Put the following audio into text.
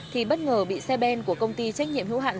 thì bất ngờ bị xe ben của công ty trách nhiệm hữu hạn